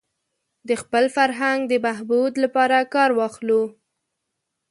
د خپل فرهنګ د بهبود لپاره کار واخلو.